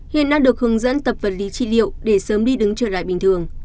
hiện đã được hướng dẫn tập vật lý tri liệu để sớm đi đứng trở lại bình thường